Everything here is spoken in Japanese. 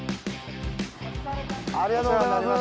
ありがとうございます。